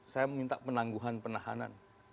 saya minta penangguhan penahanan